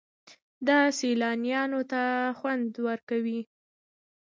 دا سیلانیانو ته خوند ورکوي.